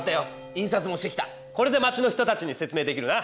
これで町の人たちに説明できるな！